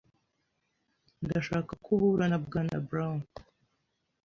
Ndashaka ko uhura na Bwana Brown.